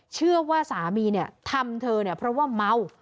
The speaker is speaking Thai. เชื่อว่าสามีทำเธอเนี่ยเพราะว่าเมา